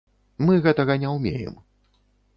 Мы гэтага не ўмеем.